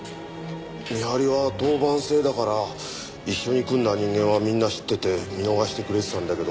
見張りは当番制だから一緒に組んだ人間はみんな知ってて見逃してくれてたんだけど。